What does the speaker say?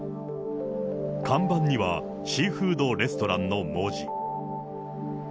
看板には、シーフードレストランの文字。